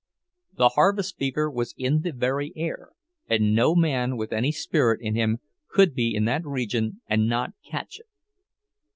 The harvest fever was in the very air, and no man with any spirit in him could be in that region and not catch it.